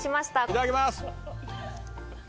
いただきます！